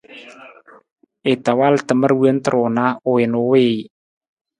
I ta wal tamar wonta ru na u wii na u wiiji.